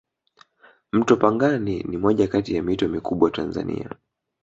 mto pangani ni moja Kati ya mito mikubwa tanzania